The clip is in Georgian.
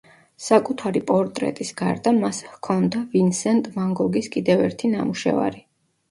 საკუთარი პორტრეტის გარდა მას ჰქონდა ვინსენტ ვან გოგის კიდევ ერთი ნამუშევარი.